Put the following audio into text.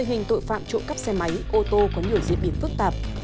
tình hình tội phạm trộm cắp xe máy ô tô có nhiều diễn biến phức tạp